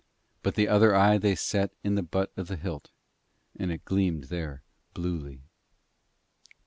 But the other eye they set in the butt of the hilt, and it gleamed there bluely.